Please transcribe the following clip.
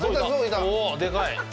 お、でかい。